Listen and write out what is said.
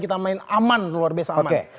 kita main aman luar biasa aman